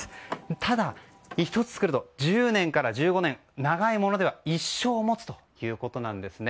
ただ、一度作ると１０年から１５年長いものでは一生持つということです。